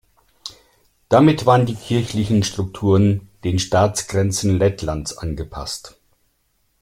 Damit waren die kirchlichen Strukturen den Staatsgrenzen Lettlands angepasst.